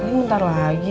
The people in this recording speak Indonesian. kalian bentar lagi